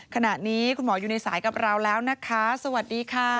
ขณะนี้คุณหมออยู่ในสายกับเราแล้วนะคะสวัสดีค่ะ